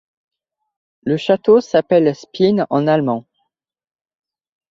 Le hameau s'appelle Spinne en allemand.